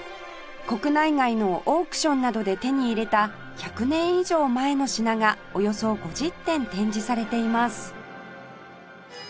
国内外のオークションなどで手に入れた１００年以上前の品がおよそ５０点展示されています